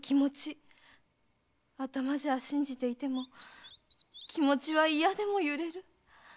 頭じゃ信じていても気持ちはイヤでも揺れる。